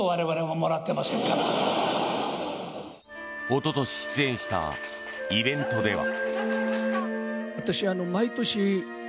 おととし出演したイベントでは。